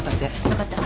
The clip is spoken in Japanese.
分かった。